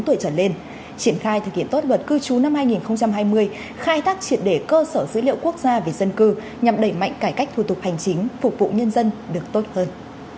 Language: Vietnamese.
trong chiến dịch triển khai thực hiện tốt luật cư trú năm hai nghìn hai mươi khai tác triển đề cơ sở dữ liệu quốc gia về dân cư nhằm đẩy mạnh cải cách thủ tục hành chính phục vụ nhân dân được tốt hơn